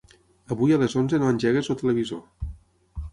Avui a les onze no engeguis el televisor.